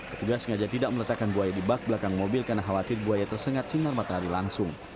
petugas sengaja tidak meletakkan buaya di bak belakang mobil karena khawatir buaya tersengat sinar matahari langsung